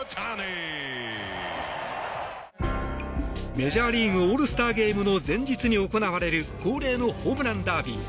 メジャーリーグオールスターゲームの前日に行われる恒例のホームランダービー。